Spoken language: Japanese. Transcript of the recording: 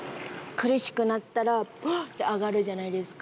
苦しくなったら、ばって上がるじゃないですか。